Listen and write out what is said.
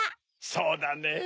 そうだねぇ。